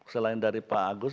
selain dari pak agus